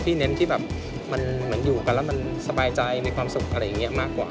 พี่เน้นที่อยู่กันแล้วค่าบรรณ์เป็นอยู่สบายใจมีความสุขมากกว่า